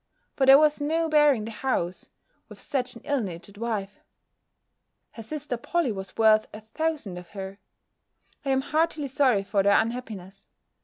for there was no bearing the house with such an ill natured wife: her sister Polly was worth a thousand of her! I am heartily sorry for their unhappiness.